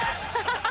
ハハハ。